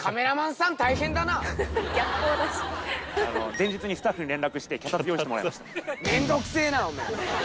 前日にスタッフに連絡して脚立用意してもらいました。